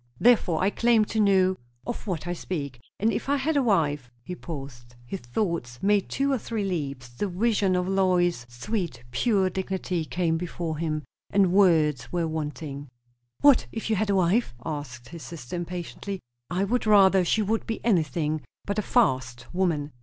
"Therefore I claim to know of what I speak. And if I had a wife " he paused. His thoughts made two or three leaps; the vision of Lois's sweet, pure dignity came before him, and words were wanting. "What if you had a wife?" asked his sister impatiently. "I would rather she would be anything but a 'fast' woman."